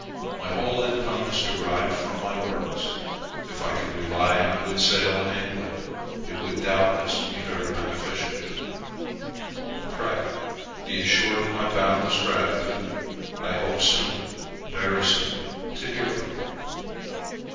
My whole income is derived from my works. If I could rely on a good sale in England, it would doubtless be very beneficial to me. Pray be assured of my boundless gratitude. I hope soon, very soon, to hear from you.